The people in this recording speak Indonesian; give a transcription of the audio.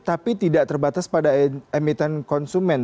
tapi tidak terbatas pada emiten konsumen